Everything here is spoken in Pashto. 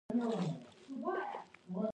د اسکندر وروسته یونانیانو دلته واکمني وکړه